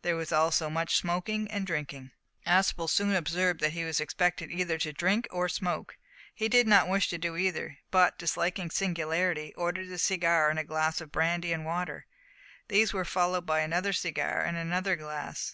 There was also much smoking and drinking. Aspel soon observed that he was expected either to drink or smoke. He did not wish to do either, but, disliking singularity, ordered a cigar and a glass of brandy and water. These were followed by another cigar and another glass.